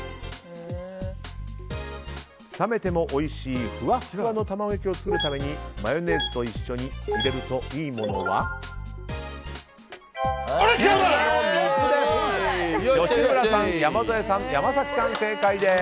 冷めてもおいしいふわっふわの卵焼きを作るためにマヨネーズと一緒に入れるといいものはＣ、水です。